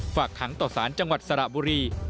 ฝากขังต่อสารจังหวัดสระบุรี